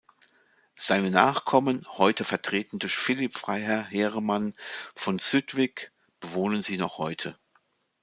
Seine Nachkommen, heute vertreten durch Philipp Freiherr Heereman von Zuydtwyck, bewohnen sie noch heute.